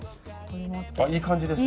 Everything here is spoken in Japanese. あっいい感じですね。